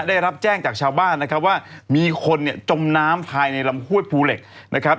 ได้รับแจ้งจากชาวบ้านนะครับว่ามีคนเนี่ยจมน้ำภายในลำห้วยภูเหล็กนะครับ